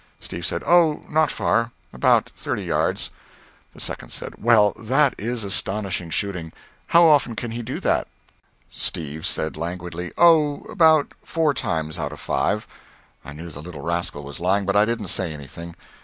Steve said, "Oh, not far about thirty yards." The second said, "Well, that is astonishing shooting. How often can he do that?" Steve said languidly, "Oh, about four times out of five." I knew the little rascal was lying, but I didn't say anything.